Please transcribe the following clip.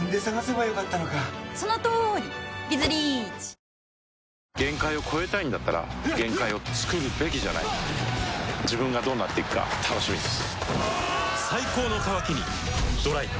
今日も暑いぞ「金麦」がうまいぞ帰れば「金麦」限界を越えたいんだったら限界をつくるべきじゃない自分がどうなっていくか楽しみです